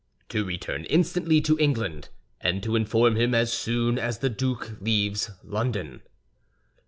"To return instantly to England, and to inform him as soon as the duke leaves London."